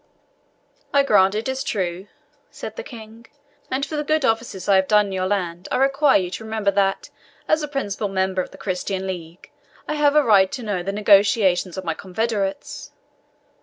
"I grant it true," said the King; "and for the good offices I have done your land I require you to remember that, as a principal member of the Christian league, I have a right to know the negotiations of my confederates.